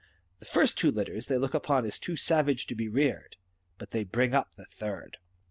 The first two litters they look upon as too savage to be reared, but they bring up the third.